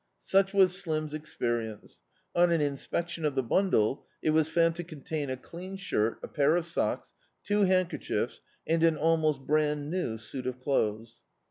Such was Slim's experience. On an inspection of the bundle it was found to contain a clean shirt, a pair of socks, two handkerchiefs, and an almost brand new suit of clothes.